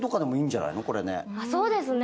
あっそうですね。